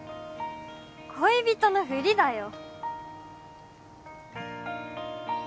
恋人のフリだよ